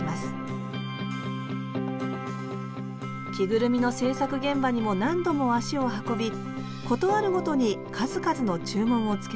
着ぐるみの製作現場にも何度も足を運び事あるごとに数々の注文をつけます。